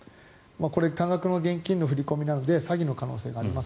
多額の現金の振り込みなので詐欺の可能性があります。